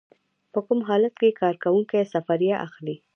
په کوم حالت کې کارکوونکی سفریه اخلي؟